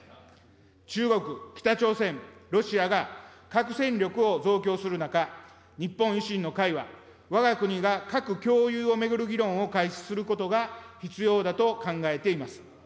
中国、北朝鮮、ロシアが核戦力を増強する中、日本維新の会は、わが国が核共有を巡る議論を開始することが必要だと考えています。